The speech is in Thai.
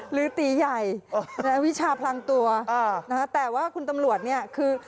หรือตีใหญ่วิชาพลังตัวนะฮะแต่ว่าคุณตำรวจเนี่ยคือ